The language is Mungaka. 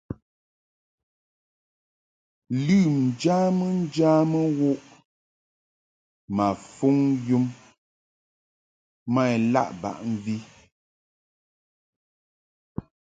Lɨm njamɨŋjamɨ wuʼ ma fuŋ yum ma ilaʼ baʼ mvi.